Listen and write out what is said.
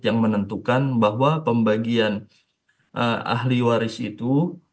yang menentukan bahwa pembagian ahli waris itu